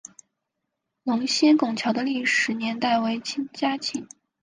龙仙拱桥的历史年代为清嘉庆。